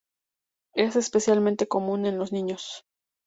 Es especialmente común en los niños.